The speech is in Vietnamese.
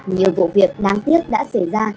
nhiều vụ việc đáng tiếc đã xảy ra